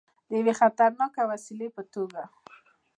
د یوې خطرناکې وسلې په توګه.